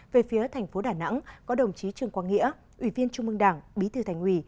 về phía thành phố đà nẵng có đồng chí trương quang nghĩa ủy viên trung mương đảng bí thư thành ủy